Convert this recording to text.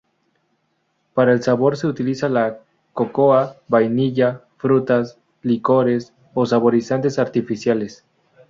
Para el sabor se utiliza la cocoa, vainilla, frutas, licores o saborizantes artificiales.